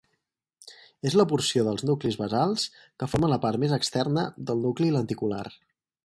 És la porció dels nuclis basals que forma la part més externa del nucli lenticular.